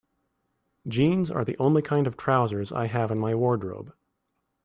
Jeans are the only kind of trousers I have in my wardrobe.